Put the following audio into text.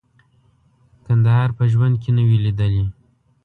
کندهار په ژوند کې نه وې لیدلي.